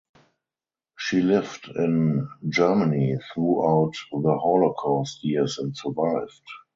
She lived in Germany throughout the Holocaust years and survived.